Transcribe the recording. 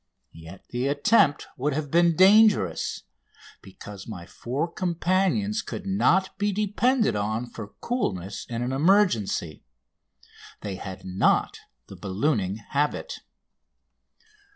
Yet the attempt would have been dangerous, because my four companions could not be depended on for coolness in an emergency. They had not the ballooning habit.